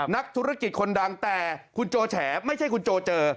นักธุรกิจคนดังแต่คุณโจแฉไม่ใช่คุณโจเจอ